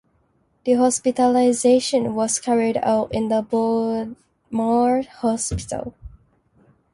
The hospitalization was carried out in the Broadmoor Hospital.